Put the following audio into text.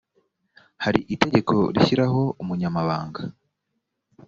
hari itegeko rishyiraho umunyamabanga